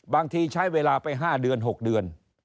บางทีใช้เวลาไป๕เดือน๖เดือน